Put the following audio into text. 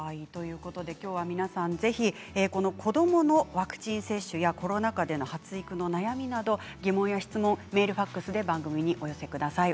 きょうは子どものワクチン接種やコロナ禍での発育の悩みなど疑問や質問をメール、ファックスで番組にお寄せください。